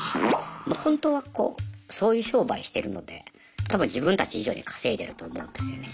本当はこうそういう商売してるので多分自分たち以上に稼いでると思うんですよね。